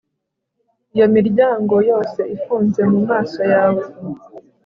iyo imiryango yose ifunze mumaso yawe